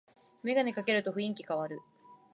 メガネかけると雰囲気かわる